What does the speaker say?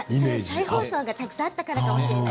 再放送がたくさんあったかもしれません。